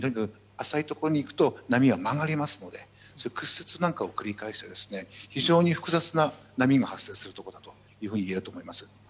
浅いところに行くと波が曲がりますので屈折なんかを繰り返して非常に複雑な波が発生するところだといえると思います。